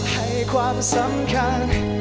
ให้ความสำคัญ